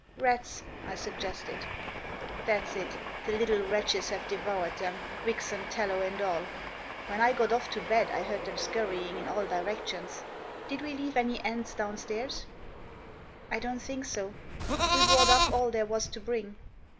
« Rats," I suggested "That's it ; the little wretches have deVoUred them, wteks and tallow and all, When I got off the bed I heard them scurrying irt all directions. Did we leave any end* downstairs f " "I don't think s& We brought up all there was to bring."